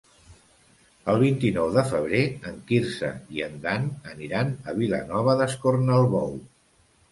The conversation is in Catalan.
El vint-i-nou de febrer en Quirze i en Dan aniran a Vilanova d'Escornalbou.